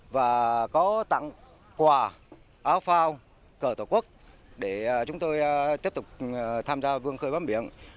và có tặng quà áo phao cờ tổ quốc để chúng tôi tiếp tục tham gia vươn khơi bám biển